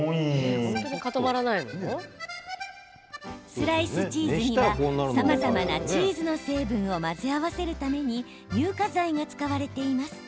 スライスチーズにはさまざまなチーズの成分を混ぜ合わせるために乳化剤が使われています。